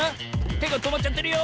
てがとまっちゃってるよ。